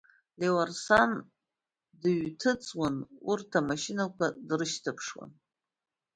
Леуарсан дыҩҭыҵны урҭ амашьынақәа дрышьҭаԥшуан.